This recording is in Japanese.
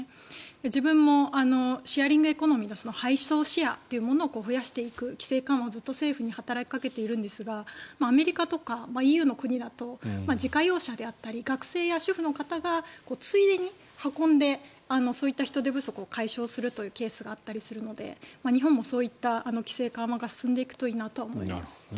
自分もシェアリングエコノミーの配送シェアというものを増やしていく規制緩和をずっと政府に働きかけているんですがアメリカとかＥＵの国だと自家用車であったり学生や主婦の方がついでに運んでそういった人手不足を解消するというケースがあったりするので日本もそういった規制緩和が進んでいくといいなとは思います。